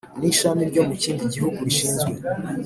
n ishami ryo mu kindi gihugu rishinzwe